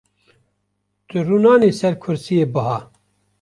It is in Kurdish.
Tu rûnanî ser kursiyê biha.